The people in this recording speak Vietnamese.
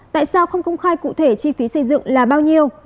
tại sao không công khai cụ thể chi phí xây dựng là bao nhiêu